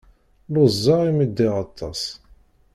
Luẓeɣ imi ddiɣ aṭas.